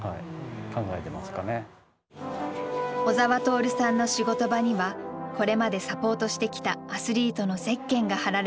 小澤徹さんの仕事場にはこれまでサポートしてきたアスリートのゼッケンが貼られています。